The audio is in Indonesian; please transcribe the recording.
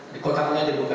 di kotaknya dibuka